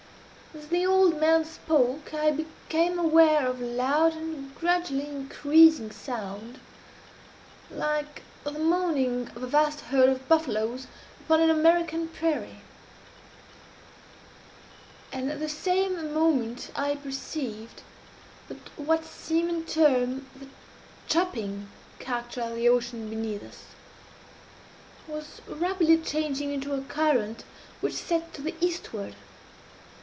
As the old man spoke, I became aware of a loud and gradually increasing sound, like the moaning of a vast herd of buffaloes upon an American prairie; and at the same moment I perceived that what seamen term the chopping character of the ocean beneath us, was rapidly changing into a current which set to the eastward.